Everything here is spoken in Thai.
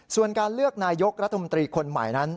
ส่วนการเลือกนายกรัฐมนตรีคนใหม่นั้น